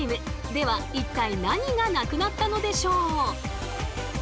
では一体何がなくなったのでしょう？